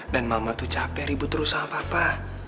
dan mama tuh capek ribut terus sama papa